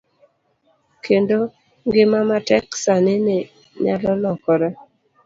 Kendo ngima matek sani ni nyalo lokore.